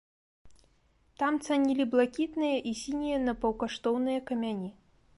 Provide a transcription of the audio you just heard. Там цанілі блакітныя і сінія напаўкаштоўныя камяні.